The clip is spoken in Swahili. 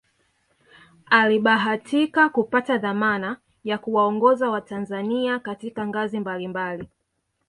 Alibahatika kupata dhamana ya kuwaongoza watanzania katika ngazi mbali mbali